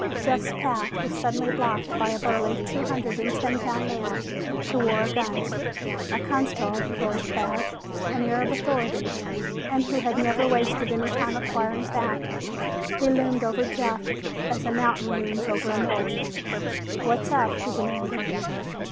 Jeff's path was suddenly blocked by a burly two hundred and ten pound man who wore a gun, a constable's badge, an air of authority, and who had never wasted any time acquiring fat. He loomed over Jeff as a mountain looms over a knoll. "What's up?" he demanded.